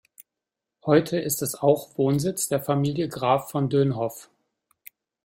Heute ist es auch Wohnsitz der Familie Graf von Dönhoff.